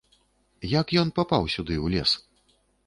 Як ён папаў сюды ў лес?